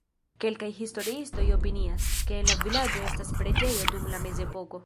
Kelkaj historiistoj opinias, ke en la vilaĝo estis preĝejo dum la mezepoko.